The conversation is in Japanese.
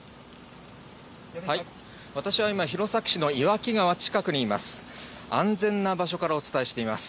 私は今、弘前市の岩木川近くにいます。